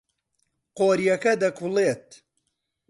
قۆریەکە دەکوڵێت.